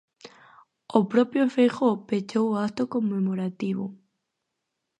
O propio Feijóo pechou o acto conmemorativo.